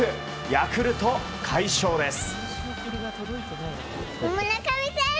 ヤクルト、快勝です。